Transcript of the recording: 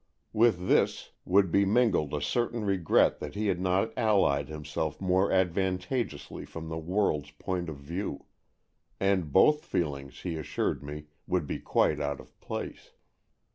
With this would be mingled a certain regret that he had not allied himself more advan tageously from the world's point of view. And both feelings, he assured me, would be quite out of place.